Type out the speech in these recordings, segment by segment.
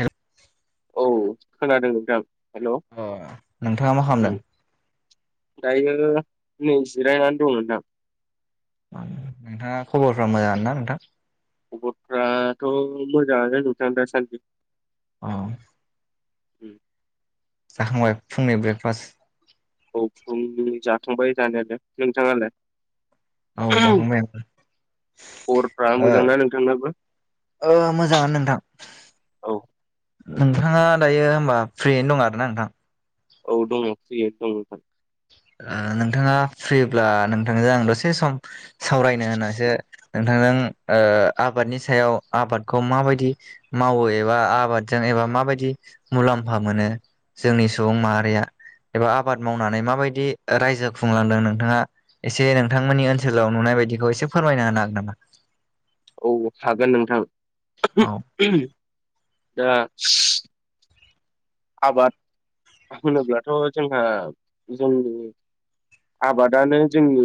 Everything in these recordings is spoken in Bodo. हेल औ खोनादों नोंथां हेल' अ नोंथाङा मा उम खालामदों दायो नै जिरायनानै दं नोंथां नोंथाङा खबरफ्रा मोजां ना नोंथां खबरफ्राथ' मोजाङानो नोंथां दासान्दि अह उम जाखांबाय फुंनि ब्रेकफास्ट औ फुंनि जाथांबाय जानायालाय नोंथाङालाय औ जाखांबाय ओं खबरफ्रा ओ मोजांना नोंथांनाबो ओ मोजाङानो नोंथां औ नोंथाङा दायो होनबा फ्रियैनो दं आरो ना नोंथां औ दङ फ्रियै दं नोंथां आ नोंथाङा फ्रिब्ला नोंथांजों आं दसे सम सावरायनो होननानैसो नोंथां नोंथां ओ आबादनि सायाव आबादखौ माबायदि मावो एबा आबादजों एबा माबायदि मुलाम्फा मोनो जोंनि सुबुं माहारिया एबा आबाद मावनानै माबाय दि रायजो खुंलांदों नोंथाङा एसे नोंथांमोननि ओनसोलाव नुनाय बायदिखौ एसे फोरमायना होनो हागोन नामा [inaudible] औ हागोन नोंथां औ दा आबाद होनोब्लाथ' जोंहा जोंनि आबादानो जोंनि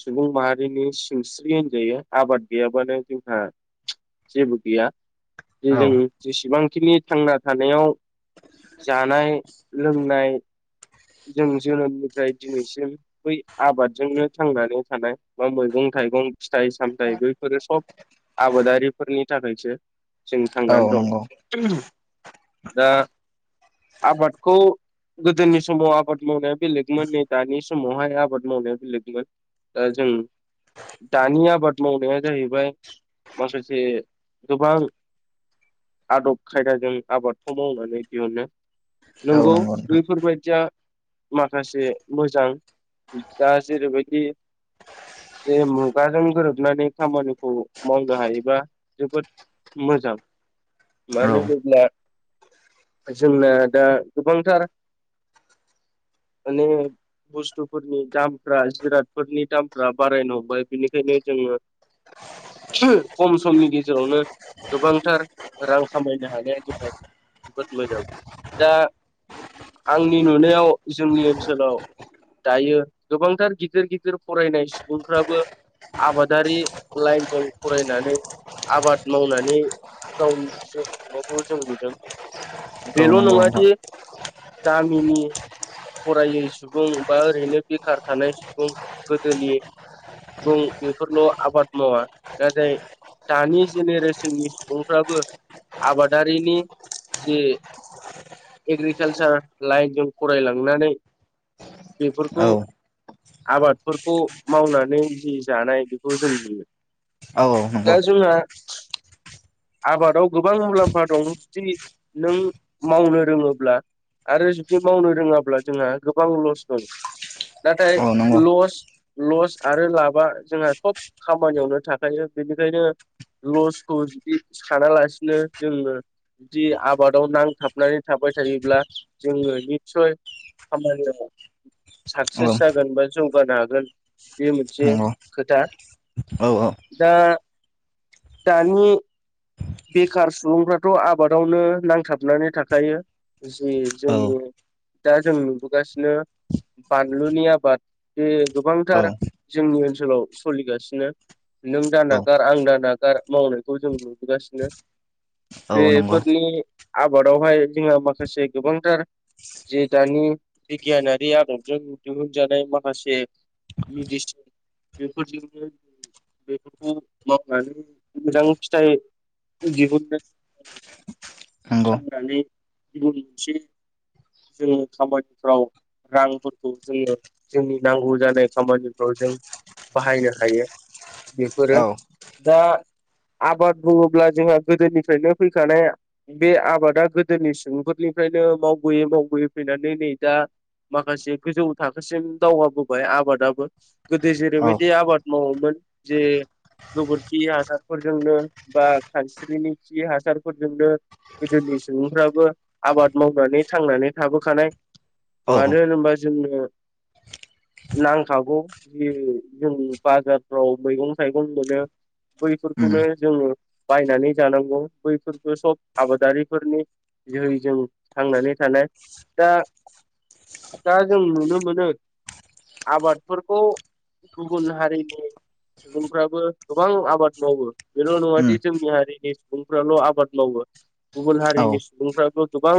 सुबुं माहारिनि सिंस्रि होनजायो आबाद गैयाबानो जोंहा जेबो गैया औ जों जेसेबांखिनि थांना थानायाव जानाय लोंनाय जों जोनोमनिफ्राय दिनैसिम बै आबादजोंनो थांनानै थानाय बा मैगं थाइगं फिथाइ सामथाइ बैफोरो सब आबादारिफोरनि थाखायसो जों औ थांनानै नंगौ दं दा आबादखौ गोदोनि समाव आबाद मावनाया बेलेगमोन नै दानि समावहाय आबाद मावनाया बेलेगमोन दा जों दानि आबाद मावनाया जाहैबाय माखासे गोबां आदब खायदाजों आबादखौ मावनानै दिहुनो औ नोंगौ नंगौ नोंथां बैफोरबायदि माखासे मोजां दा जेरैबायदि जे मुगाजों गोरोबनानै खामानिखौ मावनो हायोबा जोबोद मोजां मानो औ होनोब्ला जोंना दा गोबांथार [unintelligible] माने बुस्थुफोरनि दामफ्रा जिरादफोरनि दामफ्रा बारायनो हमबाय बिनिखायनो जोंङो खम समनि गेजेरावनो गोबांथार रां खामायनो हानाया जोंहा जोबोद मोजां दा आंनि नुनायाव जोंनि ओनसोलाव दायो गोबांथार गिदिर गिदिर फरायनाय सुबुंफ्राबो आबादारि लाइनजों फरायनानै आबाद मावनानै गावनि जिउ सुंनायखौ जों नुदों बेल नंगौ नङा नोंथां दि गामिनि फरायै सुबुं बा ओरैनो बेखार थानाय सुबुं गोदोनि सुबुं बेफोरल आबाद मावा ना जाय दानि जेनेरेसननि सुबुंफ्राबो आबादारिनि जि [unintelligible] कालसार लाइनजों फरायलांनानै बेफोरखौ औ आबादफोरखौ मावनानै जि जानाय बेखौ जों मोनो औ औ नंगौ [inaudible] आबादाव गोबां मुलाम्फा दं जुदि नों मावनो रोंङोब्ला आरो जुदि मावनो रोंङाब्ला जोंहा गोबां लस दं नाथाय औ नंगौ लस लस आरो लाबा जोंहा सब खामानियावनो थाखायो बिनिखायनो लसखौ जुदि सानालासिनो जोङो जुदि आबादाव नांथाबनानै थाबाय थायोब्ला जोङो नित्सय खामानियाव औ साक्सेस जागोन बा जौगानो हागोन बे मोनसे नंगौ खोथा औ दा दानि बेखार सुबुंफ्राथ आबादावनो नांथाबनानै थाखायो जि जोंनि औ दा जों नुबोगासिनो बानलुनि आबाद बे गोबांथार औ जोंनि ओनसोलाव सलिगासिनो नों औ दानागार आं दानागार मावनायखौ जों नुबोगासिनो औ नंगौ बेफोरनि आबादावहाय जोंहा माखासे गोबांथार जे दानि बिगियानारि आदबजों दिहुनजानाय माखासे मेडिसिन बेफोरजोंनो बेफोरखौ मावनानै मोजां फिथाइ दिहुननो नंगौ साननानै गुबुन मोनसे जों खामानिफ्राव रांफोरखौ जोंङो जोंनि नांगौ जानाय खामानिफ्राव जों बाहायनो हायो। बेफोरो औ दा आबाद बुङोब्ला जोंहा गोदोनिफ्रायनो फैखानाय बे आबादा गोदोनि सुबुंफोरनिफ्रायनो मावबोयै मावबोयै फैनानै नै दा। माखासे गोजौ थाखोसिम दावगाबोबाय आबादाबो गोदो औ जेरैबायदि आबाद मावोमोन। जे गोबोरखि हासारफोरजोंनो बा खानस्रिनि खि हासारफोरजोंनो। गोदोनि सुबुंफ्राबो आबाद मावनानै थांनानै थाबोखानाय। औ मानो होनोबा जोंनो नांखागौ जि जों बाजारफ्राव मैगं थाइगं मोनो। उम बैफोरखौनो जोङो बायनानै जानांगौ बैफोरखो स आबादारिफोरनि जोहै जों थांनानै थानाय। दा दा जों नुनो मोनो। आबादफोरखौ गुबुन हारिनि सुबुंफ्राबो गोबां आबाद मावो। बेल' नङा उम दि जोंनि हारिनि सुबुंफ्राल‌ आबाद मावो। गुबुन औ हारिनि सुबुंफोराबो‌ गोबां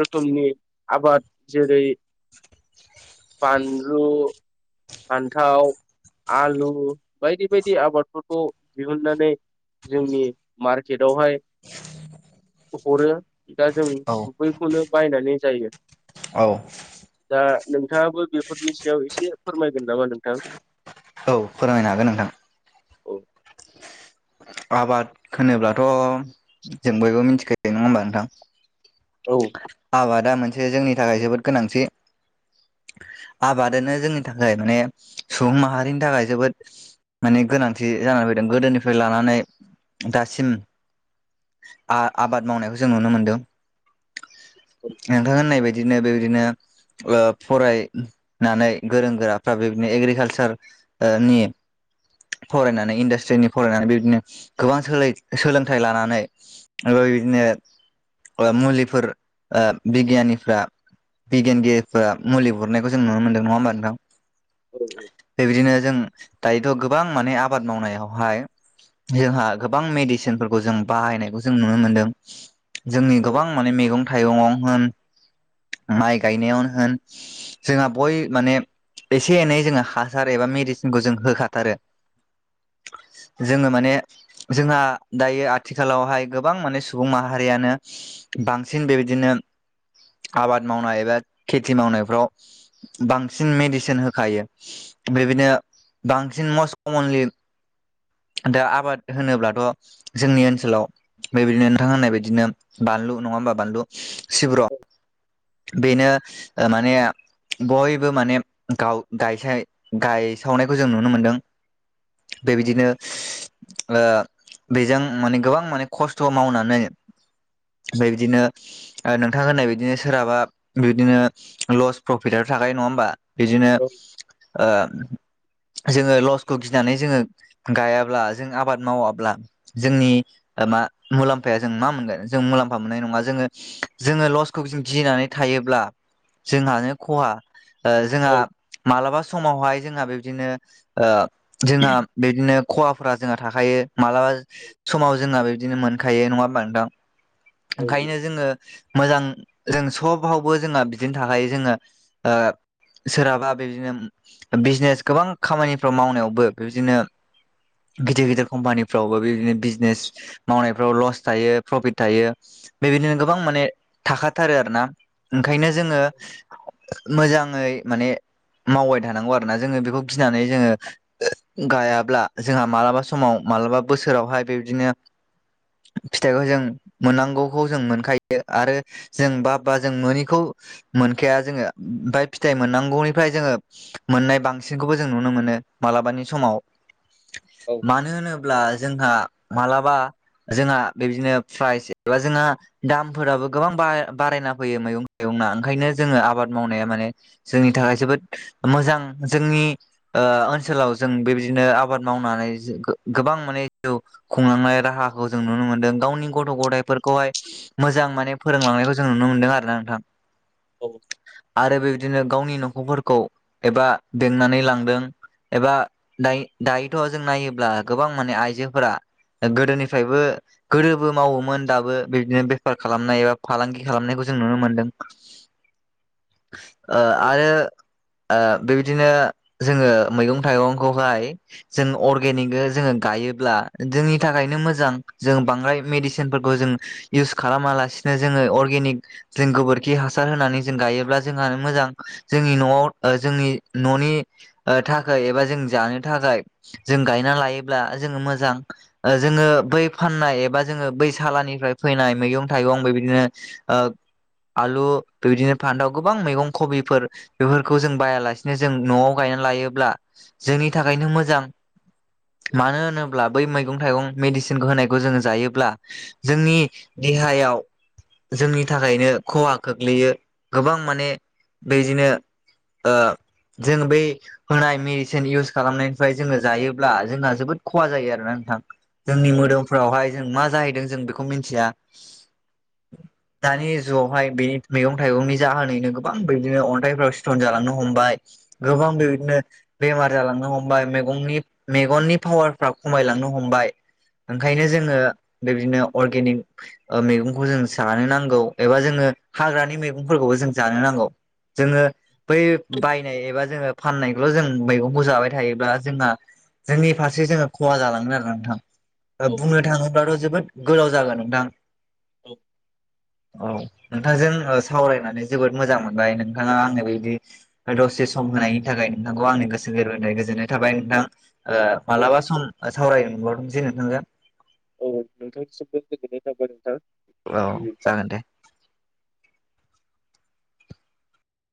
रोखोमनि आबाद जेरै बानलु, फान्थाव आलु बायदि बायदि आबादफोरखौ दिहुननानै जोंनि मारकेटआवहाय हरो दा जों औ बैखौनो बायनानै जायो। औ दा नोंथाङाबो बेफोरनि सायाव एसे फोरमायगोन नामा नोंथां? औ फोरमायनो हागोन नोंथां। औ आबाद होनोब्लाथ' जों बयबो मिथिखायो नङा होमबा नोंथां। औ आबादा मोनसे जोंनि थाखाय जोबोद गोनांथि। आबादानो जोंनि थाखाय माने सुबुं माहारिनि थाखाय जोबोद माने गोनांथि जा जाना फैदों। गोदोनिफ्राय लानानै दासिम आ आबाद मावनायखौ जों नुनो मोनदों। औ नोंथां होननाय बायद दिनो बेबिदिनो फरायनानै गोरों गोराफ्रा बेबायदिनो एग्रिकालसार ओ नि फरायनानै इन्डास्ट्रिनि फरायनानै बेबिदिनो गोबां सोलोंथाइ लानानै। ओफाय बिदिनो ओ मुलिफोर ओ बिगियानिफ्रा बिगियानगिरिफ्रा मुलि हरनायखौ जों नुनो मोनदों, नङा होमबा नोंथां। औ औ बिदिनो जों दायोथ' गोबां माने आबाद मावनायावहाय। जोंहा गोबां मेडिसिनफोरखौ जों बाहायनायखौ जों नुनो मोनदों। जोंनि औ गोबां माने मैगं थाइगङाव होन। माइ गायनायावनो होन जोंहा बय माने एसे एनै जोङो हासार एबा मेडिसिनखौ जों होखाथारो। जोङो माने जोंहा दायो। आथिखालावहाय गोबां माने सुबुं माहारियानो बां सिन बेबायदिनो आबाद मावनाय एबा खेथि मावनायफ्राव बांसिन मेडिसिन होखायो। बेबायदिनो बांसिन मस कमनलि दा आबाद होनोब्लाथ' जोंनि ओनसोलाव। बेबायदिनो नोंथां होननाय बायदिनो बानलु नङा होनबा। बानलु सिब्र' बेनो ओ माने बयबो माने गाव गायसाय गायसावनायखौ जों नुनो मोनदों। बेबायदिनो ओ बेजों माने गोबां माने खस्थ' मावनानै बेबायदिनो। ओ नोंथां होननाय बायदिनो सोरहाबा बिदिनो लस प्रफिटआ थाखायो नङा होमबा बिदिनो औ ओ जोङो लसखौ गिनानै जोङो गायाब्ला जों आबाद मावाब्ला जोंनि ओ मुलाम्फाया जों मा मोनगोन जों मुलाम्फा मोननाय नङा जोङो जोङो लसखौ गिनानै थायोब्ला जोंहानो खहा ओ जोंहा मालाबा समावहाय जोंहा बिब्दिनो ओ जोंहा बेदिनो खहाफोरा जोंहा थाखायो मालाबा समाव जोंना बिबदिनो मोनखायो नङा होमबा नोंथां औ ओंखायनो जोङो मोजां जों सबावबो जोंहा बिदिनो थाखायो जोङो ओ सोरहाबा बेदिनो बिजनेस गोबां खामानिफ्राव मावनायावबो बिदिनो गिदिर गिदिर कम्पानिफ्रावबो बेदिनो बिजनेस मावनायफ्राव लस थायो प्रफिट थायो। बेबायदिनो गोबां माने थाखाथारो आरोना ओंखायनो जोङो मोजाङै माने मावबाय थानांगौ आरो ना जोङो बेखौ गिनानै जोङो गायाब्ला जोंहा मालाबा समाव मालाबा बोसोरावहाय बेबादिनो फिथाइखौ जों मोननांगौ जों मोनखायो आरो जों बा बा जों मोननिखौ मोनखाया जोङो बे फिथाय। मोननांगौनिफ्राय जोङो मोननाय बांसिनखौबो जों नुनो मोनो मालाबानि समाव। औ मानो होनोब्ला जोंहा मालाबा जोंहा बेदिनो प्राइज एबा जोंहा दामफोराबो गोबां बारायना फैयो मैगं थाइगं ओंखायनो जोङो आबाद मावनाया माने। जोंनि थाखाय जोबोद मोजां जोंनि ओ ओनसोलाव जों बेबायदिनो आबाद मावनाय। गोबां माने जिउ खुंलांनाय राहाखौ जों नुनो मोनदों गावनि गथ' गथायफोर खौहाय मोजां माने फोरोंलांनायखौ जों नुनो मोनदों आरोना नोंथां। औ। आरो बेबायदिनो गावनि न'खरफोरखौ एबा बेंनानै लांदों। एबा दायो दायोथ' जों नायोब्ला गोबां माने आइजोफोरा। गोदोनिफ्रायबो गोदोबो मावोमोन दाबो बिदिनो बेफार खालामनाय एबा फालांगि खालामनायखौ जों नुनो मोनदों। ओ आरो ओ बेबायदिनो जोङो मैगं थाइगंखौहाय जों अर्गेनिक जोङो गायोब्ला। जोंनि थाखायनो मोजां जों बांद्राय मेडिसिन। जों इउस खालामा लासिनो जोङो अर्गेनिक जों गोबोरखि हासार होनानै जों गायोब्ला जोंहा मोजांयै मोजां जोंनि न'आव जोंनि न'नि थाखाय एबा जों जानो थाखाय। जों गायनानै लायोब्ला जोङो मोजां जोङो बै फाननाय एबा जोङो बै थालानिफ्राय फैनाय मैगं थाइगं बेबायदिनो ओ आलु बेबायदिनो फान्थाव गोबां मैगं खबिफोर बेफोरखौ जों बायालासेनो जों न'आव गायनाय। लायोब्ला जोंनि थाखायनो मोजां। मानो होनोब्ला बै मैगं थाइगं मेडिसिनखौ होनायखौ जोङो जायोब्ला जोंनि देहायाव जोंनि थाखायनो खहा गोग्लैयो गोबां माने बेदिनो ओं जों बै होनाय मेडिसिन इउस खालामनायनिफ्राय जोङो जायोब्ला जोंहा जोबोद खहा जायो आरोना। नोंथां जोंनि मोदोमफ्रावहाय जों मा जाहैदों जों बेखौ मिथिया। दानि जुगावहाय बेनि मैगं थाइगंनि जाहोनैनो गोबां बिदिनो अन्थाइफ्राव सिथन जालांनो हमबाय। गोबां बेबायदिनो बेमार जालांनो हमबाय मैगंनि मेगननि पावारफ्रा खमायलांनो हमबाय ओंखायनो जोङो। बेदिनो अर्गेनिक ओ मैगंखौ जों जानो नांगौ एबा जोङो हाग्रानि मैगंफोरखौबो जों जानो नांगौ जोङो बै बायनाय एबा जोङो फाननायखौल' जों मैगंखौ जाबाय थायोब्ला जोंहा जोंनि फारसे जोङो खहा जालांगोन आरो नोंथां बुंनो थाङोब्लाथ' जोबोद गोलाव जागोन नोंथां औ औ नोंथांजों सावरायनानै जोबोद मोजां मोनबाय नोंथाङा आंनि बिदि दसे सम होनायनि थाखाय नोंथांखौ आंनि गोसो गोरबोनिफ्राय गोजोननाय थाबाय नोंथां ओ मालाबा सम सावरायनो मोनबावथोंसैय नोंथांजों औ नोंथांनिसिमबो गोजोननाय थाबाय नोंथां औ बिदिब्ला जागोन दे